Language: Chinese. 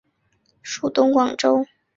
属东广州。